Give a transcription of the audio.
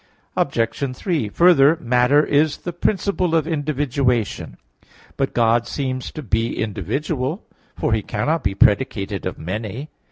Obj. 3: Further, matter is the principle of individualization. But God seems to be individual, for He cannot be predicated of many.